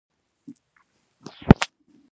څنګلونه څه ګټې لري باید ځواب شي.